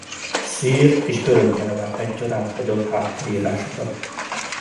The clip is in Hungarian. Szír és görög nyelven egyaránt hagyott hátra írásokat.